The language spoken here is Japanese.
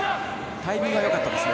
タイミング良かったですね。